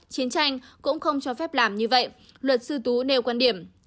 chiến tranh cũng không cho phép làm như vậy luật sư tú nêu quan điểm